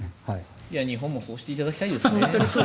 日本もそうしていただきたいですね。